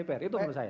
itu menurut saya